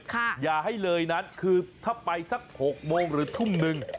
อย่าให้เลยนั้นคือถ้าไปสัก๖โมงหรือทุ่มหนึ่ง